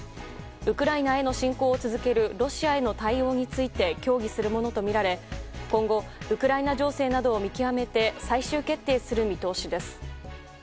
ウクライナへの侵攻を続けるロシアへの対応について協議するものとみられ今後、ウクライナ情勢などを見極めて最終決定する見通しです。